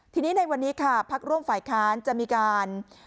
ทีนี้ในวันนี้ค่ะพักร่วมฝ่ายค้านจะมีการ